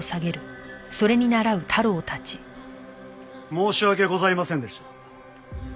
申し訳ございませんでした。